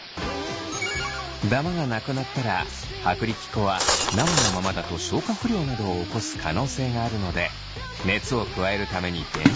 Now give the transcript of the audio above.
ダマがなくなったら薄力粉は生のままだと消化不良などを起こす可能性があるので熱を加えるために電子レンジに。